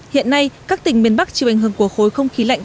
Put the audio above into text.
hiện nay các tỉnh miền bắc chịu ảnh hưởng của khối không khí lạnh